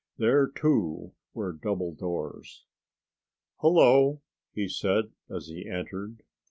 There, too, were double doors. "Hello," he said, as he entered.